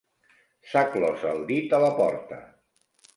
S'ha clos el dit a la porta.